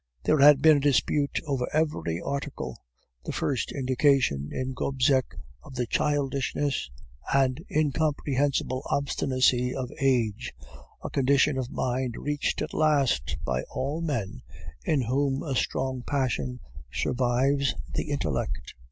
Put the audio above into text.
There had been a dispute over each article, the first indication in Gobseck of the childishness and incomprehensible obstinacy of age, a condition of mind reached at last by all men in whom a strong passion survives the intellect.